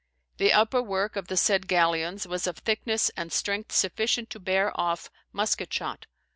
The upperworke of the said galeons was of thicknesse and strength sufficient to bear off musket shot.